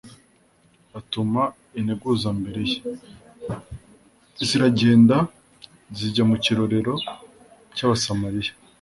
"Atuma integuza imbere ye" «ziragenda zijya mu kirorero cy'abasamaliya»